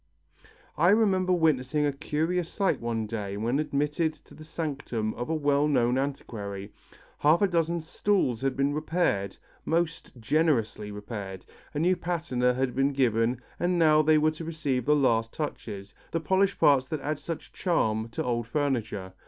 I remember witnessing a curious sight one day when admitted to the sanctum of a well known antiquary. Half a dozen stools had been repaired, most generously repaired, a new patina had been given and now they were to receive the last touches, the polished parts that add such charm to old furniture.